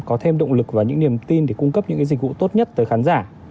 có thêm động lực và những niềm tin để cung cấp những dịch vụ tốt nhất tới khán giả